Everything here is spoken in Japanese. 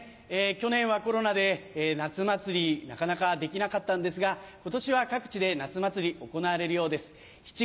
去年はコロナで夏祭りなかなかできなかったんですが今年は各地で夏祭り行われるようです。